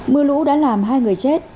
mưa lũ đã làm hai người chết